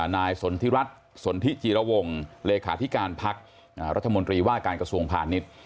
นายสนทิรัฐสนทิจิรวงเลขาธิการพักรัฐมนตรีว่าการกระทรวงพาณิชย์